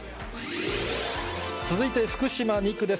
続いて、福島２区です。